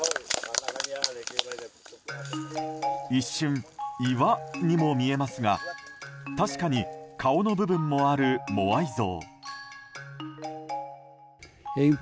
一瞬、岩にも見えますが確かに顔の部分もあるモアイ像。